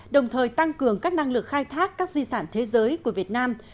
đồng thời tăng cường các năng lực khai thác các di sản thế giới của việt nam